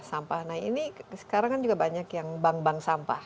sampah nah ini sekarang kan juga banyak yang bank bank sampah